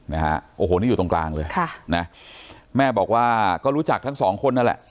นะฮะโอ้โหนี่อยู่ตรงกลางเลยค่ะนะแม่บอกว่าก็รู้จักทั้งสองคนนั่นแหละ